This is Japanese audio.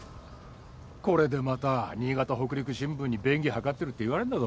これでまた『新潟北陸新聞』に便宜を図ってるって言われるんだぞ。